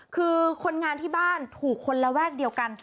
คือคนงานที่บ้านถูกคนระแวกเดียวกัน